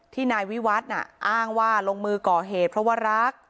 นายวิวัฒน์อ้างว่าลงมือก่อเหตุเพราะว่ารัก